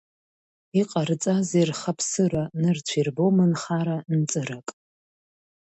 Иҟарҵазеи рхаԥсыра, нырцә ирбом нхара-нҵырак.